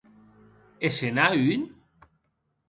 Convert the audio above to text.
E se n’a un?